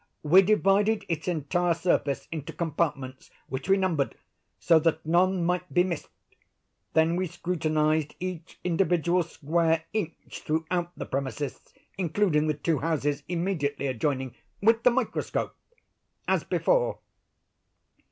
We divided its entire surface into compartments, which we numbered, so that none might be missed; then we scrutinized each individual square inch throughout the premises, including the two houses immediately adjoining, with the microscope, as before."